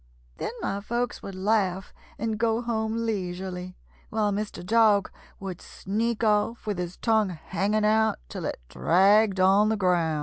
Then my folks would laugh and go home leisurely, while Mr. Dog would sneak off with his tongue hanging out till it dragged on the ground."